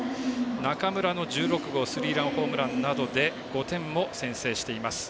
中村の１６号スリーランホームランなどで５点を先制しています。